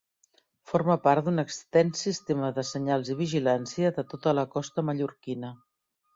Forma part d'un extens sistema de senyals i vigilància de tota la costa Mallorquina.